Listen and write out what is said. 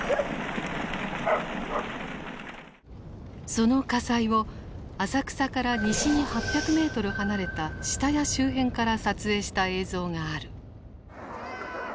その火災を浅草から西に８００ｍ離れた下谷周辺から撮影した映像がある。